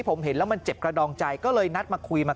ผมเห็นแล้วมันเจ็บกระดองใจก็เลยนัดมาคุยมา